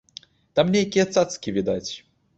Там нейкія цацкі відаць.